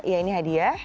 ya ini hadiah